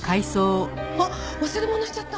あっ忘れ物しちゃった！